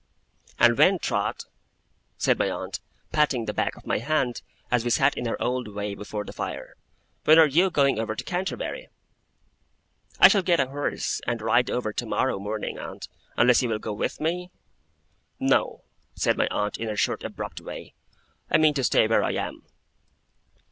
'And when, Trot,' said my aunt, patting the back of my hand, as we sat in our old way before the fire, 'when are you going over to Canterbury?' 'I shall get a horse, and ride over tomorrow morning, aunt, unless you will go with me?' 'No!' said my aunt, in her short abrupt way. 'I mean to stay where I am.